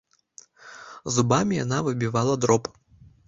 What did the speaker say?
Зубамі яна выбівала дроб.